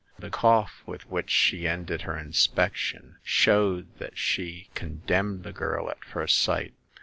The cough with which she ended her inspection showed that she con demned the girl at first sight.